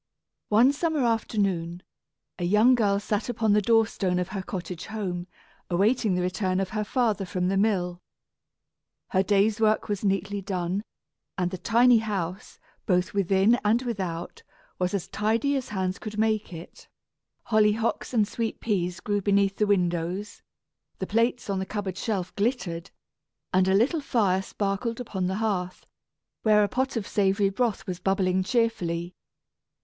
One summer afternoon, a young girl sat upon the door stone of her cottage home, awaiting the return of her father from the mill. Her day's work was neatly done, and the tiny house, both within and without, was as tidy as hands could make it; hollyhocks and sweet peas grew beneath the windows; the plates on the cupboard shelf glittered; and a little fire sparkled upon the hearth, where a pot of savory broth was bubbling cheerfully.